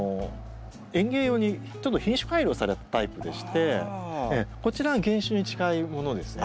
園芸用にちょっと品種改良されたタイプでしてこちらが原種に近いものですね。